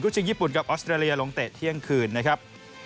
ชิงญี่ปุ่นกับออสเตรเลียลงเตะเที่ยงคืนนะครับ